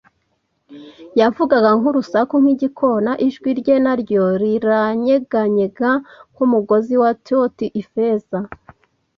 yavugaga nk'urusaku nk'igikona, ijwi rye na ryo riranyeganyega, nk'umugozi wa taut - “Ifeza,”